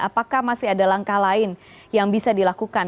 apakah masih ada langkah lain yang bisa dilakukan